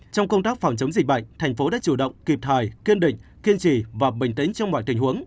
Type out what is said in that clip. trong công tác phòng chống dịch bệnh thành phố đã chủ động kịp thời kiên định kiên trì và bình tĩnh trong mọi tình huống